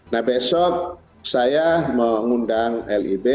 nah besok saya mengundang lib